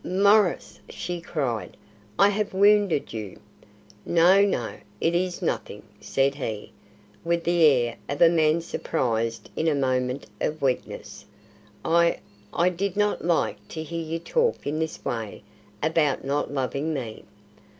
"Maurice!" she cried, "I have wounded you!" "No, no. It is nothing," said he, with the air of a man surprised in a moment of weakness. "I I did not like to hear you talk in this way about not loving me."